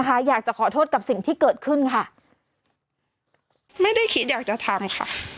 อยากจะขอโทษกับสิ่งที่เกิดขึ้นค่ะไม่ได้คิดอยากจะทำค่ะ